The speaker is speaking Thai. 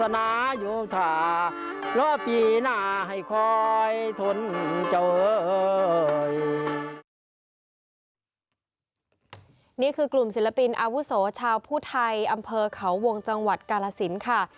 นี่คือกลุ่มศิลปินอาวุโสชาวผู้ไทยอำเภอเขาวงจังหวัดกาลสินค่ะ